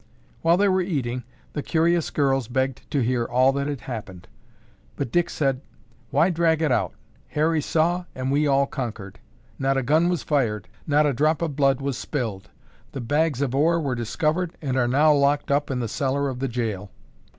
While they were eating, the curious girls begged to hear all that had happened, but Dick said, "Why drag it out? Harry saw and we all conquered. Not a gun was fired, not a drop of blood was spilled. The bags of ore were discovered and are now locked up in the cellar of the jail."